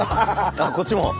あこっちも。